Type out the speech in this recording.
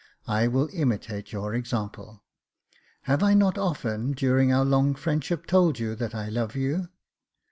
I will imitate your example. Have I not often, during our long friendship, told you that I love you